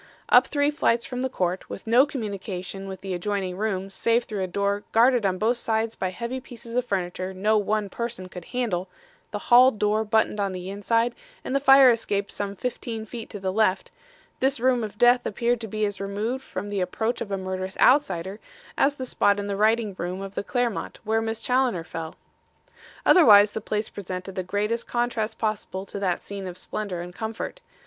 "Up three flights from the court, with no communication with the adjoining rooms save through a door guarded on both sides by heavy pieces of furniture no one person could handle, the hall door buttoned on the inside, and the fire escape some fifteen feet to the left, this room of death appeared to be as removed from the approach of a murderous outsider as the spot in the writing room of the Clermont where Miss Challoner fell. "Otherwise, the place presented the greatest contrast possible to that scene of splendour and comfort.